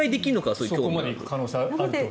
そこまで行く可能性は。